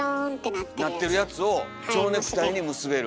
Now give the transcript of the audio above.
なってるやつをちょうネクタイに結べる。